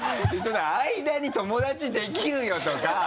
あいだに「友達できるよ」とか。